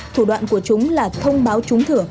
thủ đoạn của chúng là thông báo trúng thử